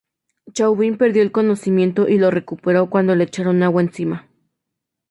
Chauvin perdió el conocimiento y lo recuperó cuando le echaron agua encima.